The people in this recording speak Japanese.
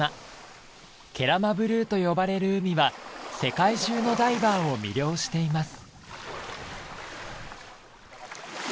ケラマブルーと呼ばれる海は世界中のダイバーを魅了しています。